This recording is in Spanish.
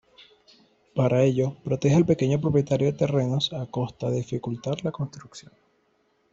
Para ello, protege al pequeño propietario de terrenos a costa de dificultar la construcción.